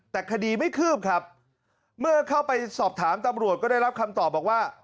แต่คดีไม่คืบครับเมื่อเข้าไปสอบถามตำรวจก็ได้รับคำตอบบอกว่า